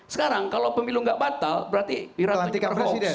sekarang kalau pemilu gak batal berarti wiranto hoax